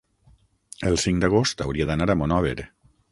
El cinc d'agost hauria d'anar a Monòver.